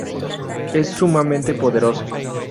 Es sumamente poderoso.